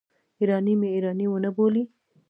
ایراني مې ایراني ونه بولي.